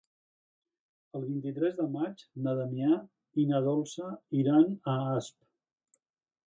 El vint-i-tres de maig na Damià i na Dolça iran a Asp.